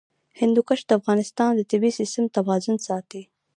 هندوکش د افغانستان د طبعي سیسټم توازن ساتي.